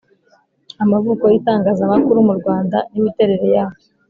amavuko y itangazamakuru mu Rwanda n imiterere yaryo